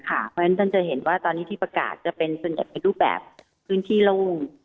เพราะฉะนั้นท่านจะเห็นว่าตอนนี้ที่ประกาศจะเป็นส่วนใหญ่เป็นรูปแบบพื้นที่โล่ง